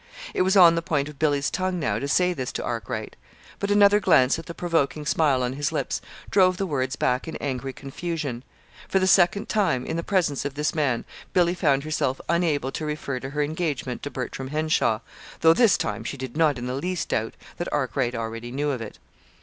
It was on the point of Billy's tongue now to say this to Arkwright; but another glance at the provoking smile on his lips drove the words back in angry confusion. For the second time, in the presence of this man, Billy found herself unable to refer to her engagement to Bertram Henshaw though this time she did not in the least doubt that Arkwright already knew of it.